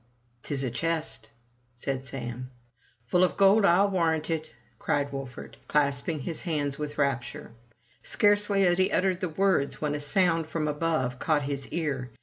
*' Tis a chest/' said Sam. "Full of gold, ril warrant it!" cried Wolfert, clasping his hands with rapture. Scarcely had he uttered the words when a sound from above caught his ear.